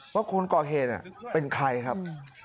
ว่าคุณก่อเฮนเป็นใครครับ